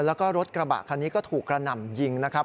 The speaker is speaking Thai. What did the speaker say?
แล้วก็รถกระบะคันนี้ก็ถูกกระหน่ำยิงนะครับ